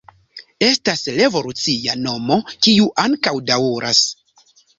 Estas revolucia nomo, kiu ankaŭ daŭras.